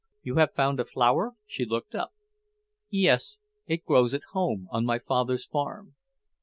"You have found a flower?" She looked up. "Yes. It grows at home, on my father's farm."